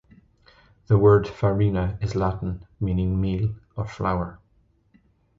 The word "farina" is Latin, meaning meal or flour.